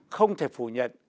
không thể phủ nhận